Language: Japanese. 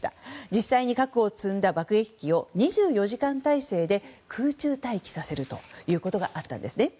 実際に、核を積んだ爆撃機を２４時間態勢で空中待機させるということがあったんです。